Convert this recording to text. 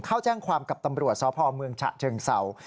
เข้าแจ้งความกับตำรวจสพเมืองฉะเชิงเศร้า